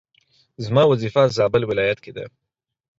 زما وظيفه زابل ولايت کي ده